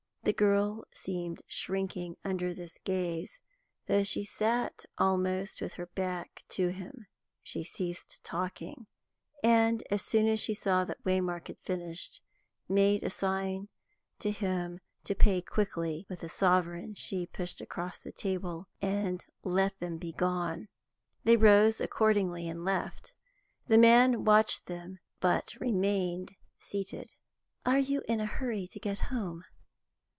The girl seemed shrinking under this gaze, though she sat almost with her back to him. She ceased talking, and, as soon as she saw that Waymark had finished, made a sign to him to pay quickly (with a sovereign she pushed across the table) and let them be gone. They rose, accordingly, and left. The man watched them, but remained seated. "Are you in a hurry to get home?"